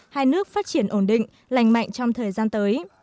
hai nước phát triển ổn định lành mạnh trong thời gian tới